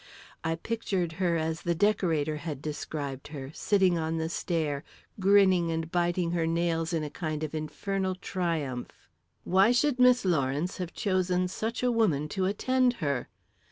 I pictured her as the decorator had described her, sitting on the stair, grinning and biting her nails in a kind of infernal triumph. Why should Miss Lawrence have chosen such a woman to attend her?